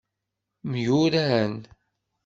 Myuran.